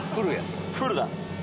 フルだ！